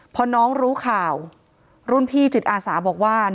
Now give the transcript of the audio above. พอน้องรู้ข่าวรุ่นพี่จิตอาสาบอกว่า